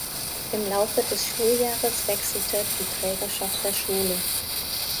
Im Laufe des Schuljahres wechselte die Trägerschaft der Schule.